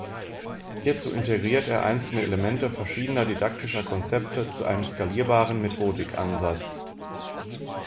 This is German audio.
Hierzu integriert er einzelne Elemente verschiedener didaktischer Konzepte zu einem skalierbaren Methodik-Ansatz.